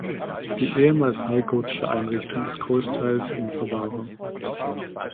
Die ehemals neugotische Einrichtung ist großteils in Verwahrung.